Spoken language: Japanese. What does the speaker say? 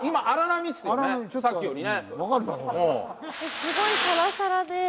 すごいサラサラで。